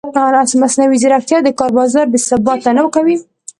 ایا مصنوعي ځیرکتیا د کار بازار بېثباته نه کوي؟